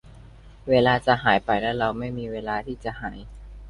เวลาจะหายไปและเราไม่มีเวลาที่จะเสีย